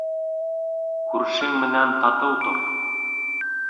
Күршең менән татыу тор.